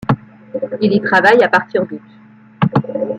Il y travaille à partir d'août.